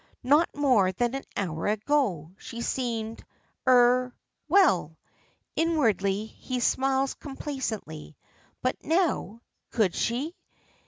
Not more than an hour ago she had seemed er well. Inwardly he smiles complacently. But now. Could she?